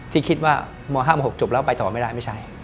ที่คิดว่ามห้ามหกผีจบเราไปต่อไม่ได้ไม่ใช่